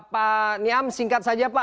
pak niam singkat saja pak